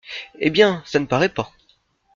Eh bien, ça ne paraît pas.